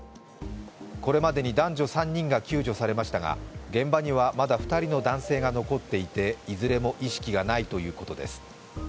これまでに男女３人が救助されましたが、現場にはまだ２人の男性が残っていていずれも意識がないということです。